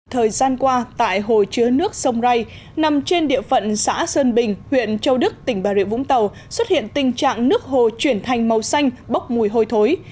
thời gian qua tại hồ chứa nước sông rai nằm trên địa phận xã sơn bình huyện châu đức tỉnh bà rịa vũng tàu xuất hiện tình trạng nước hồ chuyển thành màu xanh bốc mùi hôi thối